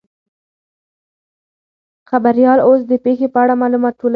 خبریال اوس د پیښې په اړه معلومات ټولوي.